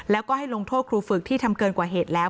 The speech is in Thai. แล้วก็ให้ลงโทษครูฝึกที่ทำเกินกว่าเหตุแล้ว